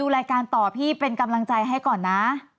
รายการต่อพี่เป็นกำลังใจให้ก่อนนะ